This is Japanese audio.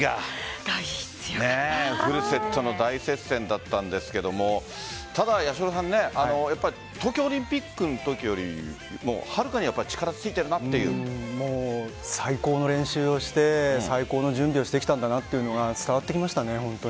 フルセットの大接戦だったんですけどただ、八代さん東京オリンピックのときよりも最高の練習をして最高の準備をしてきたんだなというのが伝わってきましたね。